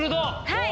はい。